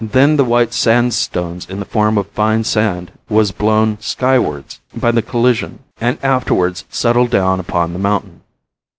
Then the white sandstones in the form of fine sand was blown skywards by the collision and afterwards settled down upon the mountain.